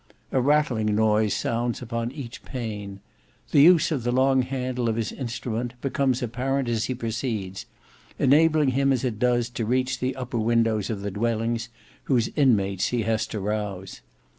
A rattling noise sounds upon each pane. The use of the long handle of his instrument becomes apparent as he proceeds, enabling him as it does to reach the upper windows of the dwellings whose inmates he has to rouse.